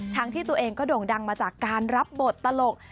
ที่ตัวเองก็โด่งดังมาจากการรับบทตลก